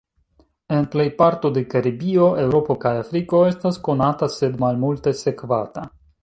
En plej parto de Karibio, Eŭropo kaj Afriko estas konata sed malmulte sekvata.